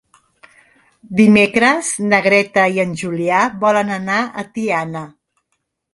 Dimecres na Greta i en Julià volen anar a Tiana.